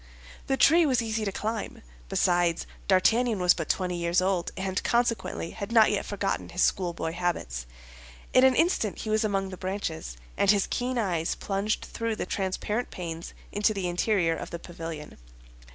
The tree was easy to climb. Besides, D'Artagnan was but twenty years old, and consequently had not yet forgotten his schoolboy habits. In an instant he was among the branches, and his keen eyes plunged through the transparent panes into the interior of the pavilion.